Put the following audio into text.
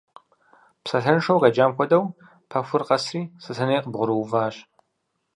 Псалъэншэу къеджам хуэдэу, пэхур къэсри Сэтэней къыбгъурыуващ.